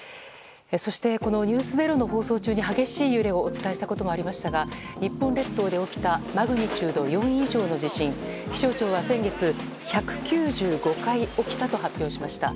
そして「ｎｅｗｓｚｅｒｏ」の放送中に激しい揺れをお伝えしたこともありましたが日本列島で起きたマグニチュード４以上の地震気象庁は先月１９５回起きたと発表しました。